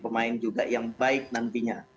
pemain juga yang baik nantinya